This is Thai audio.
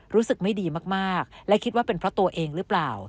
รู้สึกไม่ดีมากและคิดว่าเป็นเพราะตัวเองหรือเปล่า